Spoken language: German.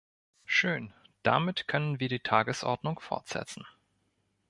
Schön, damit können wir die Tagesordnung fortsetzen.